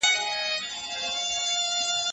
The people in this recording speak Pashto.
زه به اوږده موده مړۍ خوړلي وم؟!